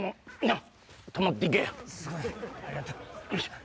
ありがとう。